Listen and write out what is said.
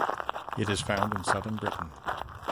It is found in southern Britain.